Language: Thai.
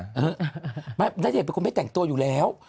ณเดชน์เป็นคนไม่แต่งตัวอยู่แล้ว